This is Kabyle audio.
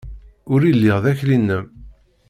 Ur lliɣ d akli-nnem!